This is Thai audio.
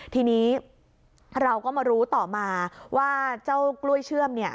ทีนี้เราก็มารู้ต่อมาว่าเจ้ากล้วยเชื่อมเนี่ย